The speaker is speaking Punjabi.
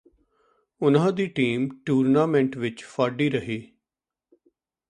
ਉਨ੍ਹਾਂ ਦੀ ਟੀਮ ਟੂਰਨਾਮੈਂਟ ਵਿਚ ਫਾਡੀ ਰਹੀ